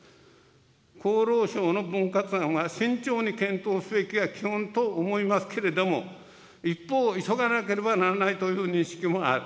厚労省の分割案は慎重に検討すべきが基本と思いますけれども、一方、急がなければならないという認識もある。